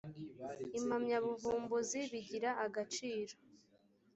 impamyabuvumbuzi bigira agaciro